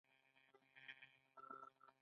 موږ دوه ډوله ځمکه په پام کې نیسو